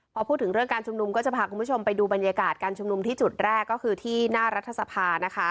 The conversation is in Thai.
พอพูดถึงเรื่องการชุมนุมก็จะพาคุณผู้ชมไปดูบรรยากาศการชุมนุมที่จุดแรกก็คือที่หน้ารัฐสภานะคะ